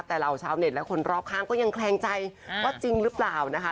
แต่เหล่าชาวเน็ตและคนรอบข้างก็ยังแคลงใจว่าจริงหรือเปล่านะคะ